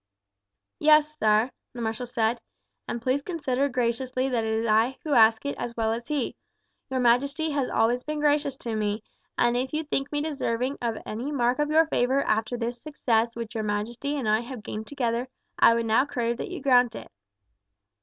"Yes, sire," the marshal said; "and please consider graciously that it is I who ask it as well as he. Your majesty has always been gracious to me, and if you think me deserving of any mark of your favour after this success which your majesty and I have gained together, I would now crave that you grant it."